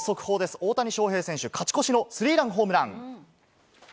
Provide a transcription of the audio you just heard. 大谷翔平選手、勝ち越しのスリーランホームラン。